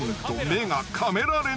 これカメラ？